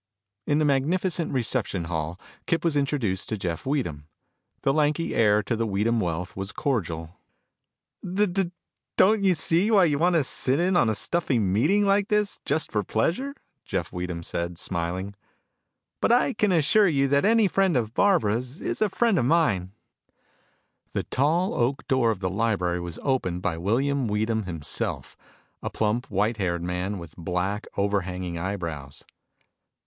In the magnificent reception hall, Kip was introduced to Jeff Weedham. The lanky heir to the Weedham wealth was cordial. "D d don't see why you want to sit in on a stuffy meeting like this just for pleasure," Jeff Weedham said, smiling, "but I can assure you that any friend of Barbara's is a friend of mine." The tall oak door of the library was opened by William Weedham himself a plump, white haired man with black, overhanging eyebrows.